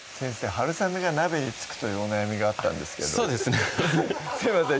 はるさめが鍋に付くというお悩みがあったんですけどそうですねすいません